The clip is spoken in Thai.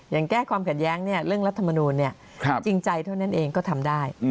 อย่างแก้ความขัดแย้งเรื่องรัฐมนูลจริงใจเท่านั้นเองก็ทำได้